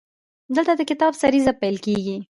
دلته د کتاب سریزه پیل کیږي.